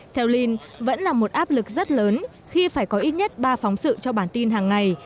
theo linh vẫn là một áp lực rất lớn khi phải có ít nhất ba phóng sự cho bản tin hàng ngày